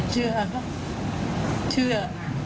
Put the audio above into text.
เชื่อก็เชื่อ